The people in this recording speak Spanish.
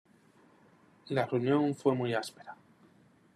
La reunión fue muy áspera.